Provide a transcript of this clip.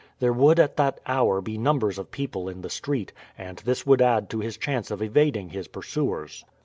There would at that hour be numbers of people in the street, and this would add to his chance of evading his pursuers.